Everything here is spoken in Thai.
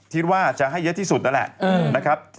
ทิ้งว่าจะให้เยอะที่สุดนั่นแหละ